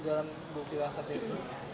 dan bukti whatsapp itu